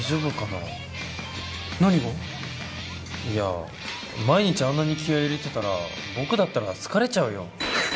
いや毎日あんなに気合入れてたら僕だったら疲れちゃうよ。